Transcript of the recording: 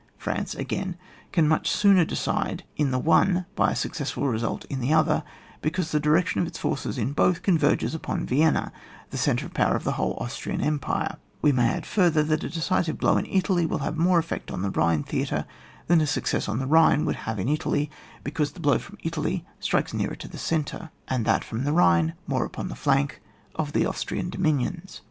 France, again, can much sooner decide in the one by a suc cessful result in the other, because the direction of its forces in both converges upon Vienna, the centre of the power of the whole Austrian empire; we may add further, that a decisive blow in Italy will have more effect on the Bhine theatre than a success on the Bhine woiild have in Italy, because the blow from Italy strikes nearer to the centre, and that from the Bhine more upon the flank, of the Austrian dominions.